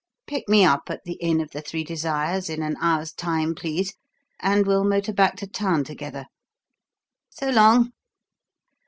Pick me up at the inn of the Three Desires in an hour's time, please, and we'll motor back to town together. So long!"